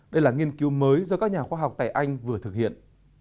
đây là nghiên cứu mới do các nhà khoa học tại anh vừa thực hiện